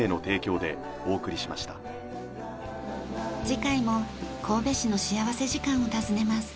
次回も神戸市の幸福時間を訪ねます。